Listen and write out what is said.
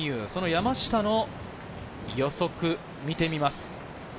山下の予測見てみます。